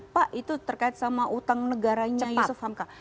pak itu terkait sama utang negaranya yusuf hamka